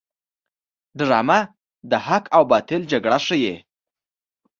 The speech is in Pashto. ډرامه د حق او باطل جګړه ښيي